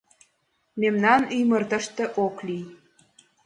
Мемнан ӱмыр тыште ок лий.